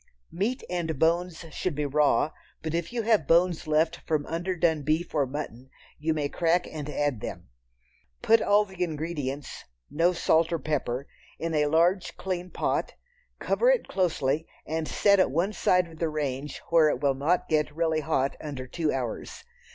Meat and bones should be raw, but if you have bones left from underdone beef or mutton, you may crack and add them. Put all the ingredients (no salt or pepper) in a large clean pot, cover it closely and set at one side of the range where it will not get really hot under two hours.